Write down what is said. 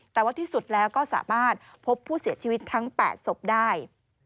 แต่ว่าที่สุดแล้วก็สามารถพบผู้เสียชีวิตทั้ง๘ศพได้